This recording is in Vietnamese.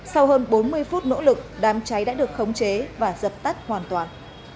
sau hơn bốn mươi phút nỗ lực đám cháy đã được khống chế và dập tắt hoàn toàn